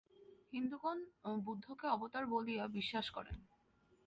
হিন্দুগণ বুদ্ধকে অবতার বলিয়া বিশ্বাস করে।